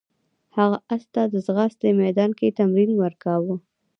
هغه اس ته د ځغاستې میدان کې تمرین ورکاوه.